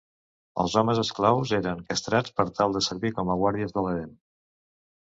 Els homes esclaus eren castrats per tal de servir com a guàrdies de l'harem.